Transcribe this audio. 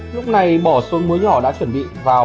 lúc này bỏ sôi muối nhỏ đã chuẩn bị vào